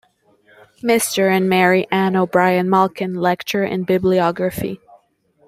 M. and Mary Ann O'Brian Malkin Lecture in Bibliography.